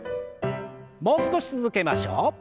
もう少し続けましょう。